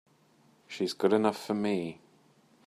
She's good enough for me!